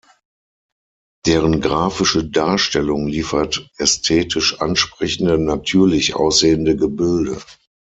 Deren graphische Darstellung liefert ästhetisch ansprechende, "natürlich" aussehende Gebilde.